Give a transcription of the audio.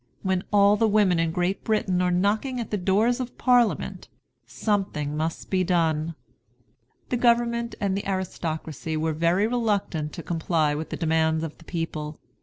When all the women in Great Britain are knocking at the doors of Parliament, something must be done." The government and the aristocracy were very reluctant to comply with the demand of the people.